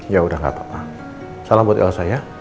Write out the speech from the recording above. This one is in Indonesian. yaudah gak apa apa salam buat elsa ya